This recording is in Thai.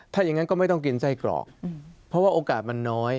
ถ้าอย่างนั้นก็ไม่ต้องกินไส้กรอกเพราะว่าโอกาสมันน้อย